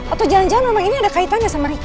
atau jangan jangan memang ini ada kaitannya sama mereka